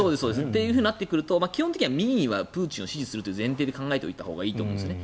というふうになってくると基本的に民意はプーチンを支持するという前提で考えておいたほうがいいと思うんですね。